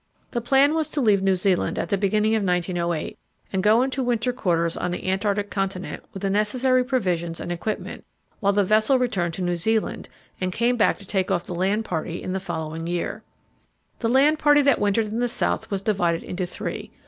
The plan was to leave New Zealand at the beginning of 1908 and go into winter quarters on the Antarctic continent with the necessary provisions and equipment, while the vessel returned to New Zealand and came back to take off the land party in the following year. The land party that wintered in the South was divided into three.